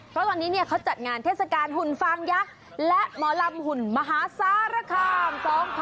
เพราะตอนนี้เขาจัดงานเทศกาลหุ่นฟางยักษ์และหมอลำหุ่นมหาสารคาม๒๕๖๒